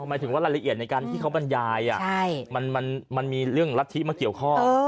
หมายถึงว่ารายละเอียดในการที่เขาบรรยายมันมีเรื่องรัฐธิมาเกี่ยวข้อง